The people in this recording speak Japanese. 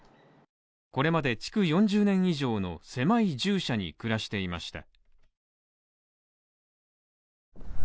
これまで築４０年以上の狭い獣舎に暮らしていました。